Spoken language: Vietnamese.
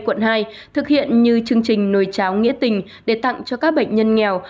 quận hai thực hiện như chương trình nồi cháo nghĩa tình để tặng cho các bệnh nhân nghèo